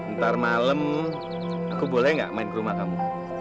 ntar malam aku boleh gak main ke rumah kamu